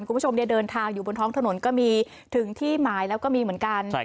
คุณผู้ชมเดินทางอยู่บนท้องถนนก็มีถึงที่หมายแล้วก็มีเหมือนกัน